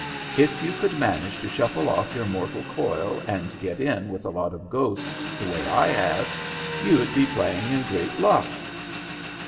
If you could manage to shuffle off your mortal coil and get in with a lot of ghosts, the way I have, you'd be playing in great luck.'